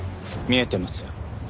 見えてますよ。